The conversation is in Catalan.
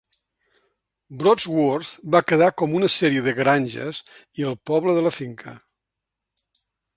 Brodsworth va quedar com una sèrie de granges i el poble de la finca.